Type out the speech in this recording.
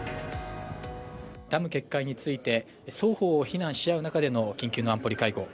ダム決壊について双方を非難し合う中での緊急の安保理会合。